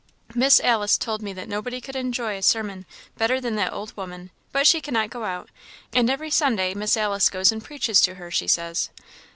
"Miss Alice told me that nobody could enjoy a sermon better than that old woman, but she cannot go out, and every Sunday Miss Alice goes and preaches to her, she says."